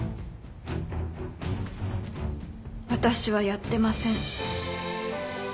私はやってません。